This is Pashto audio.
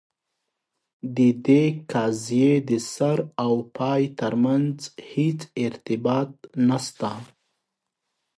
د دې قضیې د سر او پای ترمنځ هیڅ ارتباط نسته.